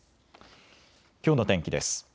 きょうの天気です。